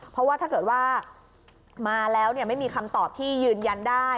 เพราะว่าถ้าเกิดว่ามาแล้วไม่มีคำตอบที่ยืนยันได้